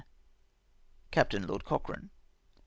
" Captain Lord Cochrane."